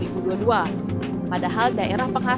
padahal daerah penghasil juga tidak menanggap